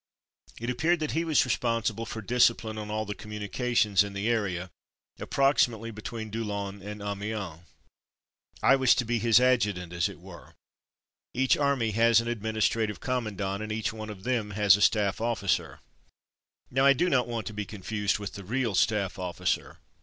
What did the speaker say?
It appeared that he was responsible for discipline on all the communications in the area, approximately between Doullens and Amiens. I was to be his adjutant as it were. Each army has an administrative commandant and each one of them has a staff officer. Now I do not want to be confused with io8 From Mud to Mufti the real staff officer.